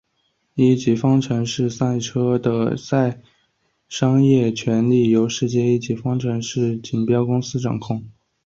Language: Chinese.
一级方程式赛车的商业权利由世界一级方程式锦标赛公司控制。